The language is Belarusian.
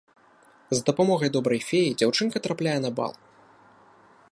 З дапамогай добрай феі дзяўчынка трапляе на бал.